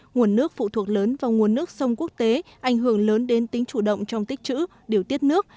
nguồn nước phụ thuộc lớn vào nguồn nước sông quốc tế ảnh hưởng lớn đến tính chủ động trong tích chữ điều tiết nước